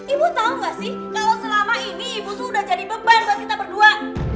ibu tahu nggak sih kalau selama ini ibu sudah jadi beban buat kita berdua